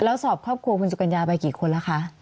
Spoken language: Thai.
แล้วสอบครอบครัวคุณสุกัญญาไปกี่คนแล้วคะ